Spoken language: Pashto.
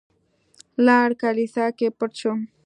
لاړم کليسا کې پټ شوم.